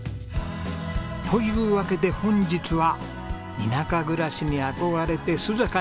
というわけで本日は田舎暮らしに憧れて須坂に移住。